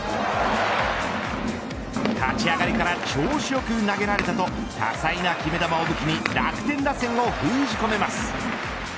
立ち上がりから調子良く投げられたと多彩な決め球を武器に楽天打線を封じ込めます。